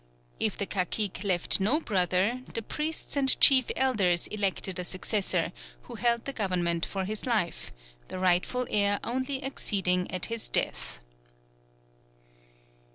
If the cacique left no brother, the priests and chief elders elected a successor who held the government for his life, the rightful heir only acceding at his death.